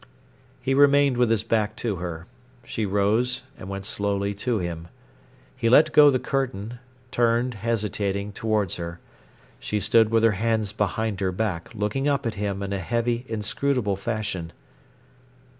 He remained with his back to her. She rose and went slowly to him. He let go the curtain, turned, hesitating, towards her. She stood with her hands behind her back, looking up at him in a heavy, inscrutable fashion.